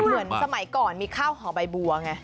เหมือนสมัยก่อนมีข้าวหอใบบัวไง